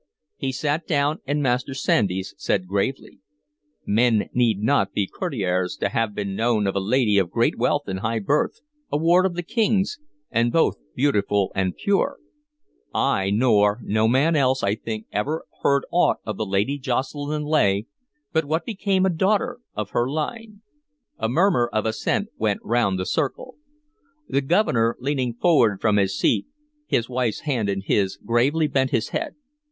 He sat down, and Master Sandys said gravely: "Men need not be courtiers to have known of a lady of great wealth and high birth, a ward of the King's, and both beautiful and pure. I nor no man else, I think, ever heard aught of the Lady Jocelyn Leigh but what became a daughter of her line." A murmur of assent went round the circle. The Governor, leaning forward from his seat, his wife's hand in his, gravely bent his head.